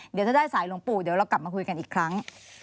เดี๋ยวถ้าได้สายหลวงปู่เดี๋ยวเรากลับมาคุยกันอีกครั้ง